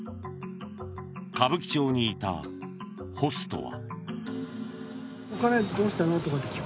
歌舞伎町にいたホストは。